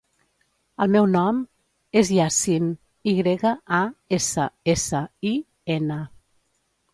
El meu nom és Yassin: i grega, a, essa, essa, i, ena.